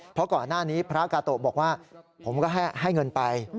เพราะก่อนหน้านี้พระกาโตะบอกว่าผมก็ให้เงินไป